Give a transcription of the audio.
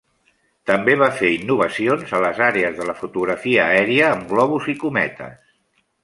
També va fer innovacions a les àrees de la fotografia aèria amb globus i cometes.